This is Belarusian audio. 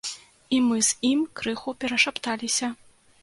І мы з ім крыху перашапталіся.